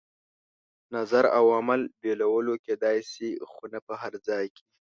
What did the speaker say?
نظر او عمل بېلولو کېدای شي، خو نه په هر ځای کې.